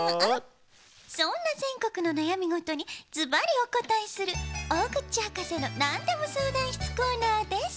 そんなぜんこくのなやみごとにズバリおこたえする「大口博士のなんでも相談室」コーナーです。